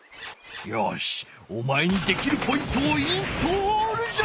よしお前にできるポイントをインストールじゃ！